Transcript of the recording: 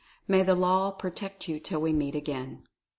May the Law protect you till we meet again!